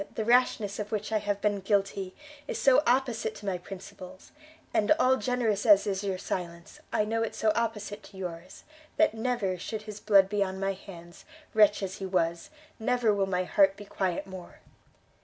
the rashness of which I have been guilty, is so opposite to my principles, and, all generous as is your silence, I know it so opposite to yours, that never, should his blood be on my hands, wretch as he was, never will my heart be quiet more."